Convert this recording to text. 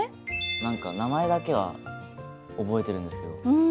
何か名前だけは覚えてるんですけど。